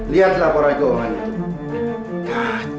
lihatlah pora gohan itu